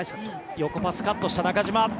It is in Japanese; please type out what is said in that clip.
横パスカットした中島。